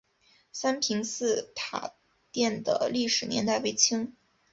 三平寺塔殿的历史年代为清。